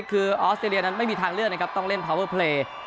คือออสเตรเลียนั้นไม่มีทางเลือกนะครับต้องเล่นพาวเวอร์เพลย์